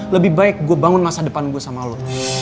lebih baik gue bangun masa depan gue sama lo